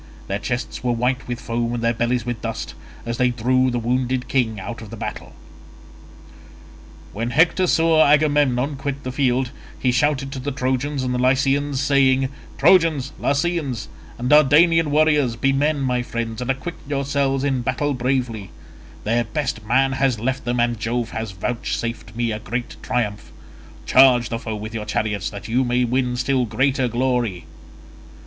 Their chests were white with foam and their bellies with dust, as they drew the wounded king out of the battle. When Hector saw Agamemnon quit the field, he shouted to the Trojans and Lycians saying, "Trojans, Lycians, and Dardanian warriors, be men, my friends, and acquit yourselves in battle bravely; their best man has left them, and Jove has vouchsafed me a great triumph; charge the foe with your chariots that you may win still greater glory."